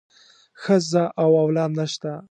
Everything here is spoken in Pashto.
ښځه او اولاد نشته.